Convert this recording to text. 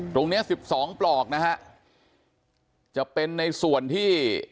ตรงนี้๑๒ปลอกนะฮะจะเป็นในส่วนที่